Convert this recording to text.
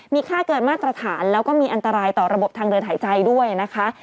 มีค่าเกินมาตรฐานแล้วก็มีอันตรายต่อระบบทางเดินหายใจด้วยนะคะ